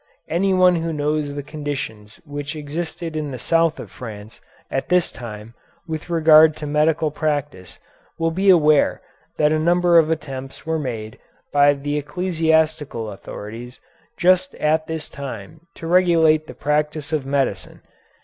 Anyone who knows the conditions which existed in the south of France at this time with regard to medical practice will be aware that a number of attempts were made by the ecclesiastical authorities just at this time to regulate the practice of medicine.